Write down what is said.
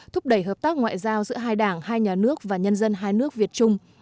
thúc đẩy hợp tác ngoại giao giữa hai đảng hai nhà nước và nhân dân hai nước việt trung